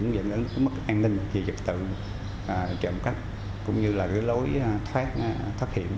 nên cũng mất an ninh về dự tượng trợ cấp cũng như là cái lối thoát thoát hiểm